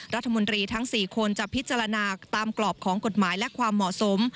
รัฐมนตรีทั้ง๔คนจะพิจารณาตามกรอบของกฎหมายและความเหมาะสม